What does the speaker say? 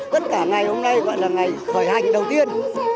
tất cả ngày hôm nay gọi là ngày khởi hành đầu tiên